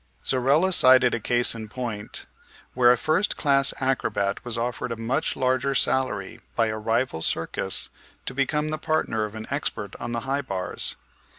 Zorella cited a case in point where a first class acrobat was offered a much larger salary by a rival circus to become the partner of an expert on the high bars.